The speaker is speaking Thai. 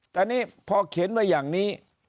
แต่นี่พอเขียนไว้อย่างนี้